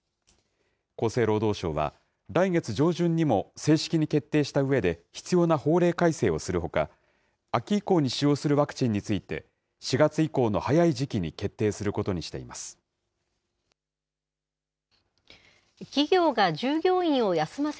厚生労働省は、来月上旬にも正式に決定したうえで、必要な法令改正をするほか、秋以降に使用するワクチンについて、４月以降の早い時期に決定することにしています。